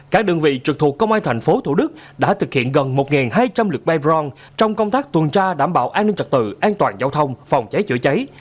các đơn vị trực thuộc công an thành phố thủ đức đã thực hiện gần một hai trăm linh lượt bay brone trong công tác tuần tra đảm bảo an ninh trật tự an toàn giao thông phòng cháy chữa cháy